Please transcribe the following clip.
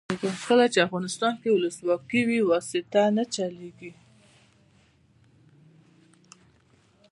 کله چې افغانستان کې ولسواکي وي واسطه نه چلیږي.